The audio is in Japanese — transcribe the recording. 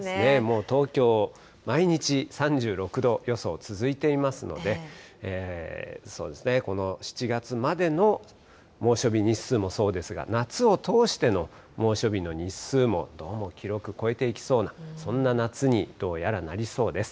もう東京、毎日３６度予想続いていますので、そうですね、この７月までの猛暑日日数もそうですが、夏を通しての猛暑日の日数もどうも記録超えていきそうな、そんな夏にどうやらなりそうです。